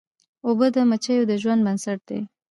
اوبه د مچیو د ژوند بنسټ دي.